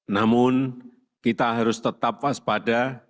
namun kita harus tetap waspada